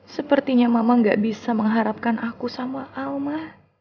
sepertinya mama gak bisa mengharapkan aku sama al ma